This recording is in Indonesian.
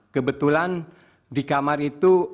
kebetulan di kamar itu